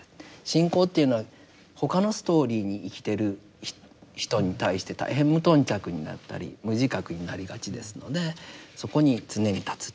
信仰というのは他のストーリーに生きてる人に対して大変無頓着になったり無自覚になりがちですのでそこに常に立つ。